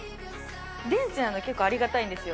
電池なのが結構ありがたいんですよ。